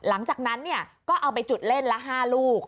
หลังจากนั้นก็เอาไปจุดเล่นละ๕ลูก